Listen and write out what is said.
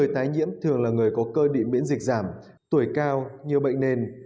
thường là người có cơ định miễn dịch giảm tuổi cao nhiều bệnh nền